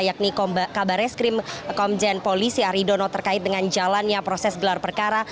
yakni kabar reskrim komjen polisi aridono terkait dengan jalannya proses gelar perkara